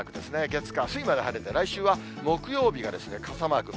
月、火、水まで晴れて、来週は木曜日が傘マーク。